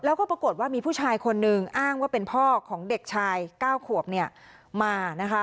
แล้วก็ปรากฏว่ามีผู้ชายคนนึงอ้างว่าเป็นพ่อของเด็กชาย๙ขวบเนี่ยมานะคะ